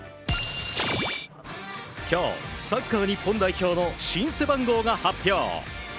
今日、サッカー日本代表の新背番号が発表。